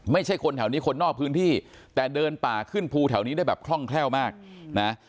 ไม่ใช่คนแถวนี้คนนอกพื้นที่แต่เดินป่าขึ้นภูแถวนี้ได้แบบคล่องแคล่วมากนะ